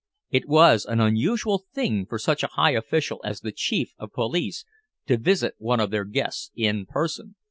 It was an unusual thing for such a high official as the Chief of Police to visit one of their guests in person.